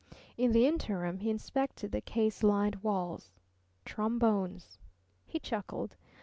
In the interim he inspected the case lined walls. Trombones. He chuckled.